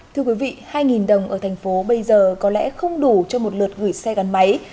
thưa quý vị hai đồng ở thành phố bây giờ có lẽ không đủ cho một lượt gửi xe gắn máy